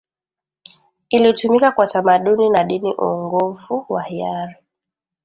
ilitumika kwa tamaduni na dini uongofu wa hiari